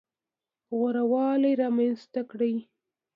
غوره والی رامنځته کړي.